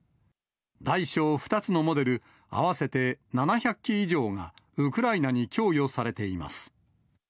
大小２つのモデル、合わせて７００機以上が、ウクライナに供与されています。